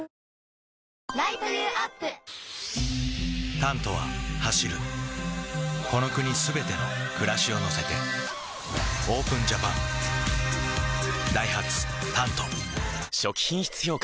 「タント」は走るこの国すべての暮らしを乗せてＯＰＥＮＪＡＰＡＮダイハツ「タント」初期品質評価